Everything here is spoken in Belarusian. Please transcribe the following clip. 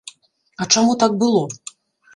А чаму так было?